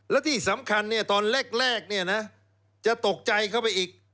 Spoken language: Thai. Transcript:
และที่สำคัญตอนแรกจะตกใจเข้าไปอีก